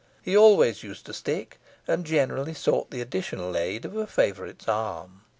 He always used a stick, and generally sought the additional aid of a favourite's arm.